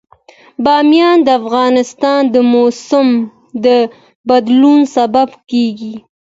بامیان د افغانستان د موسم د بدلون سبب کېږي.